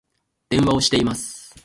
電話をしています